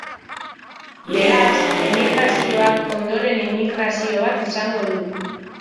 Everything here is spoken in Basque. Beraz, emigrazioak, ondoren inmigrazio bat izango du.